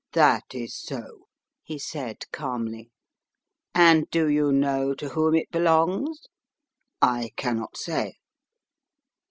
" That is so," he said, calmly. "And do you know to whom it belongs?" "I cannot say."